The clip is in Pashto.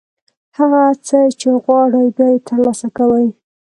هغه څه چې غواړئ، بیا یې ترلاسه کوئ.